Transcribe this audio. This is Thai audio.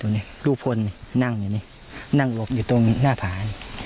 ดูนี่ลูกพลนี่นั่งอยู่นี่นั่งหลบอยู่ตรงนี้หน้าผ่าน